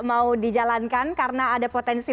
mau dijalankan karena ada potensi